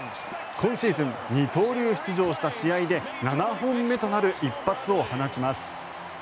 今シーズン二刀流出場した試合で７本目となる一発を放ちます。